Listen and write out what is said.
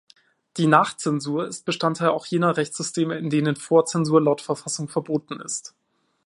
Die "Nachzensur" ist Bestandteil auch jener Rechtssysteme, in denen Vorzensur laut Verfassung verboten ist.